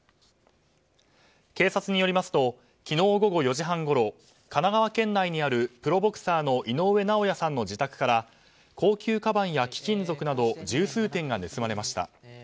警察によりますと昨日午後４時半ごろ神奈川県内にあるプロボクサーの井上尚弥さんの自宅から高級かばんや貴金属など十数点が盗まれました。